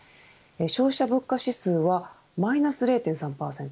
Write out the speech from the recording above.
消費者物価指数はマイナス０．３％。